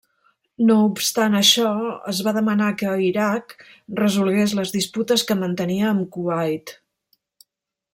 No obstant això, es va demanar que Iraq resolgués les disputes que mantenia amb Kuwait.